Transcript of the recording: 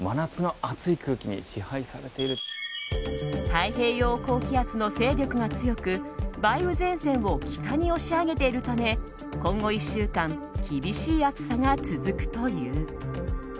太平洋高気圧の勢力が強く梅雨前線を北に押し上げているため今後１週間厳しい暑さが続くという。